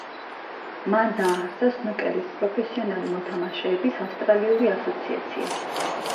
მან დააარსა სნუკერის პროფესიონალი მოთამაშეების ავსტრალიური ასოციაცია.